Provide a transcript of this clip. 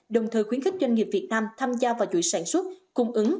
đồng thời khuyến khích doanh nghiệp việt nam tham gia vào chuỗi sản xuất cung ứng